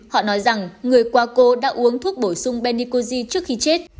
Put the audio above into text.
họ nói rằng người qua cô đã uống thuốc bổ sung benicoji trước khi chết